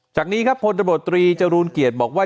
จากนี้ครับพตรจรูนเกียจบอกว่า